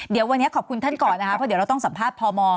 เดี๋ยววันนี้ขอบคุณท่านก่อนนะคะเพราะเดี๋ยวเราต้องสัมภาษณ์พม